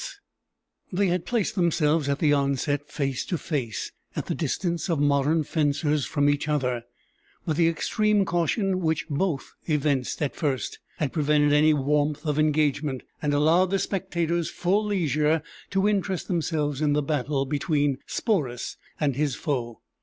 ] They had placed themselves at the onset face to face, at the distance of modern fencers from each other; but the extreme caution which both evinced at first had prevented any warmth of engagement, and allowed the spectators full leisure to interest themselves in the battle between Sporus and his foe.